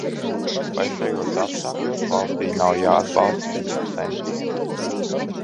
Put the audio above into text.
Vai šajos apstākļos valstij nav jāatbalsta viņu centieni?